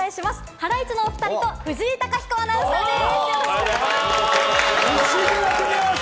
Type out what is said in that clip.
ハライチのお２人と藤井貴彦アナウンサーです。